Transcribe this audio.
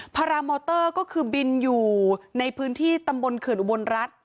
พารามอเตอร์ก็คือบินอยู่ในพื้นที่ตำบลเขื่อนอุบลรัฐ